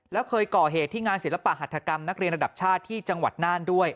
แล้วเคยก่อเหตุที่งานศิลปะหัฐกรรมนักเรียนระดับชาติที่จังหวัดน่านด้วย